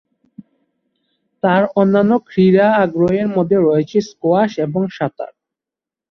তার অন্যান্য ক্রীড়া আগ্রহের মধ্যে রয়েছে স্কোয়াশ এবং সাঁতার।